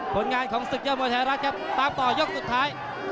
ผลงานของศึกยอดมวยไทยรัฐครับตามต่อยกสุดท้าย